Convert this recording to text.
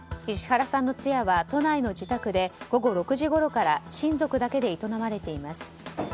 石原さんの通夜は都内の自宅で午後６時ごろから親族だけで営まれています。